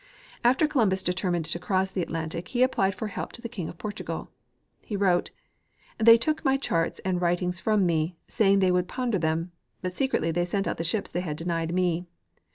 After Columbus determined to cross the Atlantic he applied for help to the king of Portugal. He wrote, " They took my charts and writings from me, saying they would ponder them, but secretly they sent out the ships they had denied me.